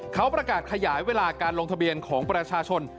เขาประกาศขยายเวลาการลงทะเบียนของประชาชน